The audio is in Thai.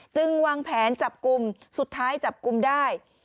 จึงวางแผนจับกลุ่มสุดท้ายจับกลุ่มได้